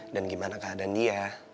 dan gimana keadaan dia